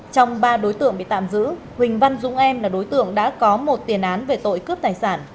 trong ba đối tượng bị tạm giữ huỳnh văn dũng em là đối tượng đã có một tiền án về tội cướp tài sản